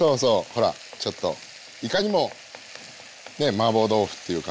ほらちょっといかにもねマーボー豆腐っていう感じの。